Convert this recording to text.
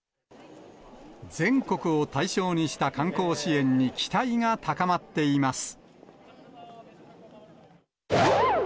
全国を対象にした観光支援に期待が高まっています。